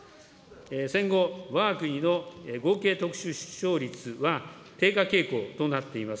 戦後、わが国の合計特殊出生率は低下傾向となっています。